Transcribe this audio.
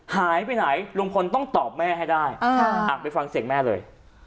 หายไปไหนลุงพลต้องตอบแม่ให้ได้ไปฟังเสียงแม่เลย